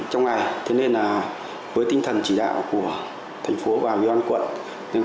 trong ngày thế nên với tinh thần chỉ đạo của thành phố và ủy ban quận